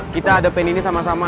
kita ada pengen ini sama sama